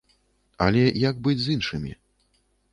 Але як быць з іншымі?